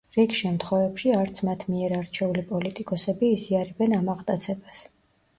რიგ შემთხვევებში – არც მათ მიერ არჩეული პოლიტიკოსები იზიარებენ ამ აღტაცებას.